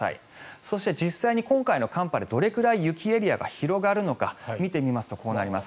そして実際に今回の寒波でどれくらい雪エリアが広がるのか見てみますとこうなります。